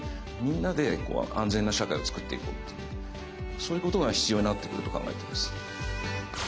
そういうことが必要になってくると考えています。